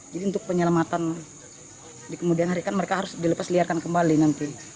jadi untuk penyelamatan di kemudian hari kan mereka harus dilepas liarkan kembali nanti